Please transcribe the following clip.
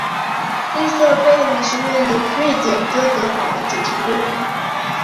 利瑟贝里是位于瑞典哥德堡的主题公园。